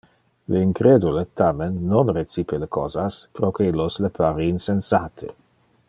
Le incredule, tamen, non recipe le cosas, proque illos le pare insensate.